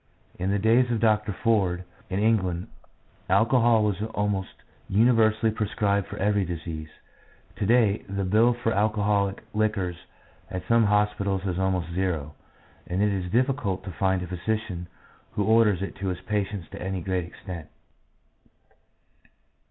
In the days of Dr. Ford, in England, alcohol was almost universally prescribed for every disease; to day the bill for alcoholic liquors at some hospitals is almost zero, and it is difficult to find a physician who orders it to his patients to any great extent.